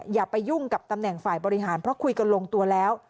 อย่าไปยุ่งกับตำแหน่งฝ่ายบริหารเพราะคุยกันลงตัวแล้ว